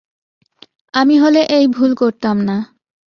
আমি হলে এই ভুল করতাম না।